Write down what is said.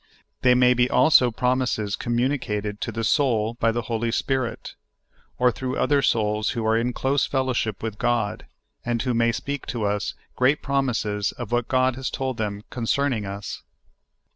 They may be also promises communicated to the soul by the Holy Spirit, or through other souls who are in close fellowship with God, and who may speak to us great promises of what God has told them concerning us.